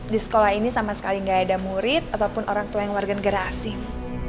di sekolah ini sama sekali gak ada murid ataupun orang tua yang warganger asing